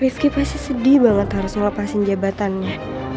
rifki pasti sedih banget harus melepasin jabatannya